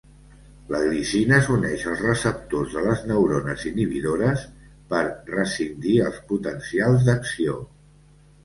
La glicina s'uneix als receptors de les neurones inhibidores per rescindir els potencials d'acció.